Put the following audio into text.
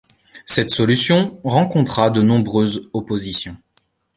Cette solution rencontra de nombreuses oppositions.